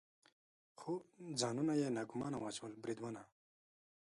خو ځانونه یې ناګومانه واچول، بریدمنه.